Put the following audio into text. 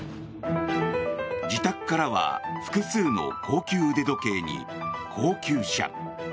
自宅からは複数の高級腕時計に高級車